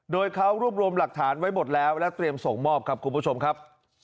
โดยเขารวบรวมหลักฐานไว้หมดแล้วและเตรียมส่งมอบครับคุณผู้ชมครับ